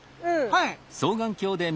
はい。